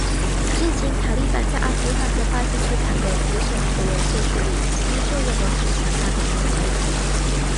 至今塔利班在阿富汗和巴基斯坦的普什图人社区里依旧拥有很强大的影响力。